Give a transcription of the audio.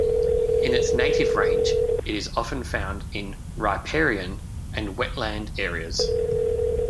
In its native range, it is often found in riparian and wetland areas.